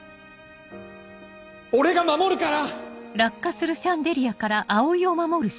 俺が守るから！